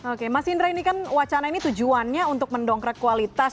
oke mas indra wacana ini tujuannya untuk mendongkrak kualitas